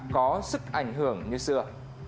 có sức ảnh hưởng như xưa